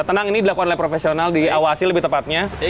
tenang ini dilakukan oleh profesional diawasi lebih tepatnya